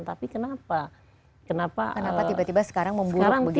tapi kenapa kenapa tiba tiba sekarang memburuk begitu ya